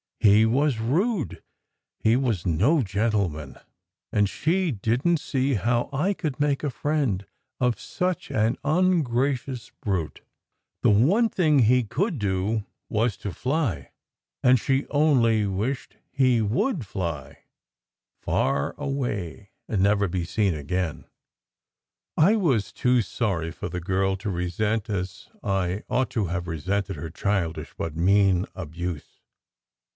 He was rude; he was "no gentleman" ; and she didn t see how I could make a friend of such an ungracious brute. The one thing he could do was SECRET HISTORY to fly, and she only wished he would fly far away, and never be seen again. I was too sorry for the girl to resent as I ought to have resented her childish but mean abuse.